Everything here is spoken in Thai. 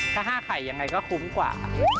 ถ้า๕ไข่ยังไงก็คุ้มกว่า